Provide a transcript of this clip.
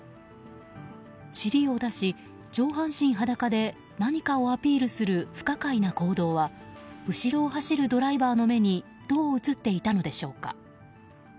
尻を出し、上半身裸で何かをアピールする不可解な行動は後ろを走るドライバーの目にどう映っていたのでしょうか。